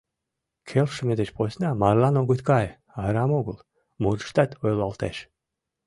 «Келшыме деч посна марлан огыт кай!» — арам огыл мурыштат ойлалтеш.